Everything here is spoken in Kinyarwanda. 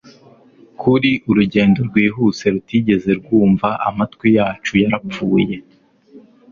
Kuri urugendo rwihuse rutigeze rwumva Amatwi yacu yarapfuye